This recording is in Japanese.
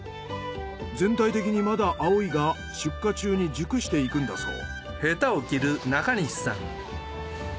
全体的にまだ青いが出荷中に熟していくんだそう。